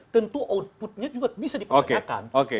tentu outputnya juga bisa dipertanyakan